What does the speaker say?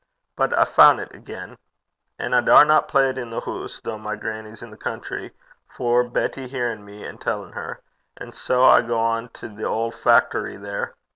But I faun't it again. An' I daurna play i' the hoose, though my grannie's i' the country, for Betty hearin' me and tellin' her. And sae I gang to the auld fact'ry there.